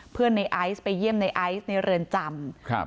เพื่อนในไอซ์ไปเยี่ยมในไอซ์ในเรือนจำ